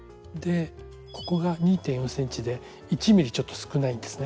ここが２．４ｃｍで１ｍｍちょっと少ないんですね。